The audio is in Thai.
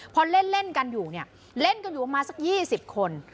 พอเล่นกันอยู่เล่นกันอยู่มาสัก๒๐คน